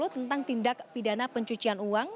tentang tindak pidana pencucian uang